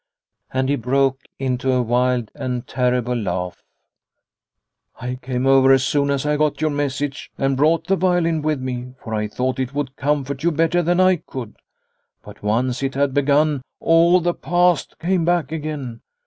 And he broke into a wild and terrible laugh. " I came over as soon as I got your message, and brought the violin with me, for I thought it would comfort you better than I could. But once it had begun, all the past came back again.